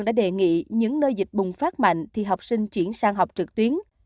đã đề nghị những nơi dịch bùng phát mạnh thì học sinh chuyển sang học trực tuyến